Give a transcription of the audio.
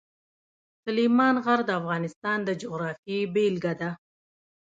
سلیمان غر د افغانستان د جغرافیې بېلګه ده.